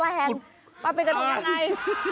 แล้วแบบแปลงเป็นกระทงอย่างไร